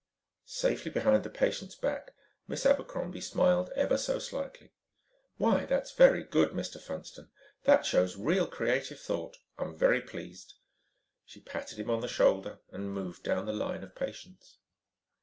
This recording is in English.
Safely behind the patient's back, Miss Abercrombie smiled ever so slightly. "Why that's very good, Mr. Funston. That shows real creative thought. I'm very pleased." She patted him on the shoulder and moved down the line of patients.